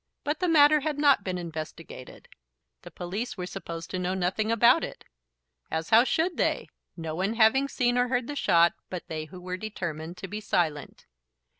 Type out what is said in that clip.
But the matter had not been investigated. The police were supposed to know nothing about it, as how should they, no one having seen or heard the shot but they who were determined to be silent?